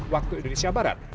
waktu indonesia barat